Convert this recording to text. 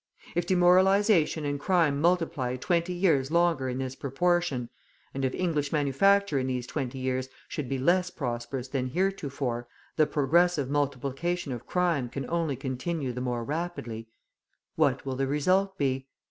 If demoralisation and crime multiply twenty years longer in this proportion (and if English manufacture in these twenty years should be less prosperous than heretofore, the progressive multiplication of crime can only continue the more rapidly), what will the result be?